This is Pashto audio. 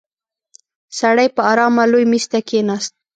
سړی په آرامه لوی مېز ته کېناست.